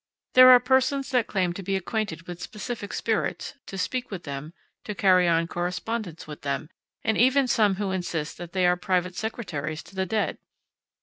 There are persons that claim to be acquainted with specific spirits, to speak with them, to carry on correspondence with them, and even some who insist that they are private secretaries to the dead.